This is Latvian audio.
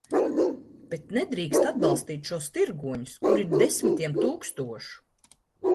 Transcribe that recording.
Bet nedrīkst atbalstīt šos tirgoņus, kuru ir desmitiem tūkstošu.